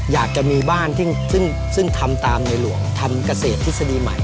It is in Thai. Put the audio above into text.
อยากจะมีบ้านซึ่งทำตามในหลวงทำเกษตรทฤษฎีใหม่